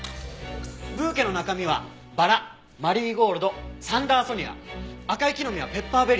ブーケの中身はバラマリーゴールドサンダーソニア赤い木の実はペッパーベリーだったよ。